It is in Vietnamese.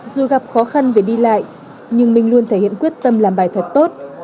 dù gặp khó khăn về đi lại nhưng minh luôn thể hiện quyết tâm làm bài thật tốt